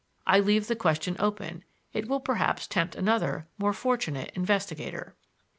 I leave the question open; it will perhaps tempt another more fortunate investigator.